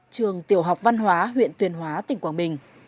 trường tiểu học văn hóa huyện tuyên hóa tỉnh quảng bình